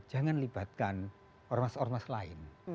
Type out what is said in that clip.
jangan libatkan orang orang lain